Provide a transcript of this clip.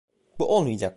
Bu olmayacak.